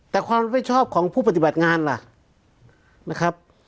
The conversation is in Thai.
แต่ความรับผิดชอบของผู้ปฏิบัติงานล่ะนะครับ